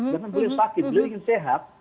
karena beliau sakit beliau ingin sehat